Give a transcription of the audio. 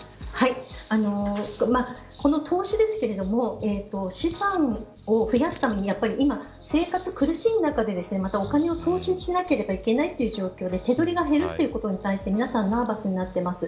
この投資ですが資産を増やした生活が苦しい中でお金を投資しなければいけないという状況で手取りが減るということに対して皆さんナーバスになっています。